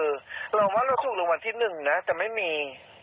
เราว่าเราซุกลงวันที่หนึ่งนะแต่ไม่มี